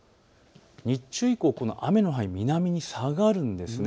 日中以降、この雨の範囲南に下がるんです。